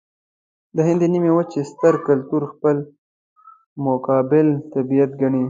د هند د نيمې وچې ستر کلتور خپل مقابل طبیعت ګڼي.